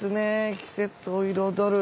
季節を彩る。